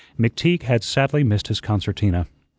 McTeague had sadly missed his concertina.